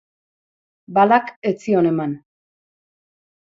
Balak ez zion eman.